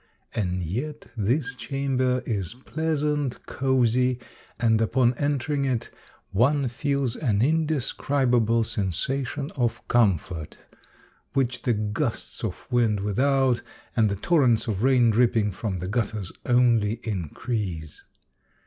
And yet this chamber is pleasant, cozy, and upon entering it, one feels an indescriba ble sensation of comfort, which the gusts of wind without, and the torrents of rain dripping from the gutters only increase.